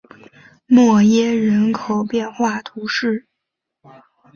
默耶人口变化图示